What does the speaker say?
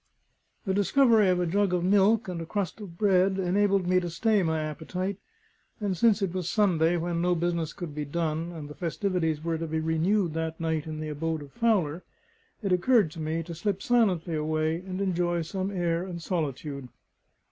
The discovery of a jug of milk and a crust of bread enabled me to stay my appetite; and since it was Sunday, when no business could be done, and the festivities were to be renewed that night in the abode of Fowler, it occurred to me to slip silently away and enjoy some air and solitude.